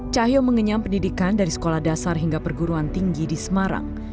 cahyo mengenyam pendidikan dari sekolah dasar hingga perguruan tinggi di semarang